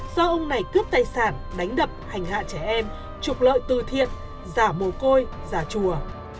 do ông này cướp tài sản đánh đập hành hạ trẻ em trục lợi từ thiện giả mồ côi giả chùa